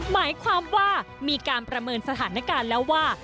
หมายความว่ามีการประเมินสถานการณ์แล้วว่า